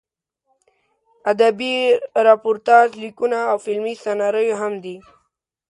ادبي راپورتاژ لیکونه او فلمي سناریو هم دي.